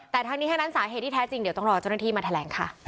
แต่ทั้งนี้ทั้งนั้นสาเหตุที่แท้จริงเดี๋ยวต้องรอเจ้าหน้าที่มาแถลงค่ะ